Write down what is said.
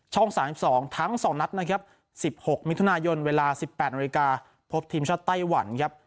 ช่อง๓๒ทั้ง๒นัด๑๖มิถุนายนเวลา๑๘นพบทีมชาติไต้หวัน